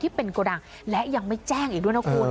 ที่เป็นกระดังและยังไม่แจ้งอีกด้วยนะคุณ